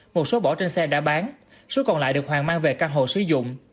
một số bỏ trên xe đã bán số còn lại được hoàng mang về căn hộ sử dụng